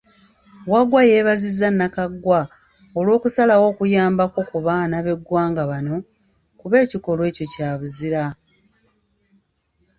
Waggwa yeebazizza Nakaggwa olw'okusalawo okuyambako ku baana b'eggwanga bano, kuba ekikolwa ekyo kya buzira.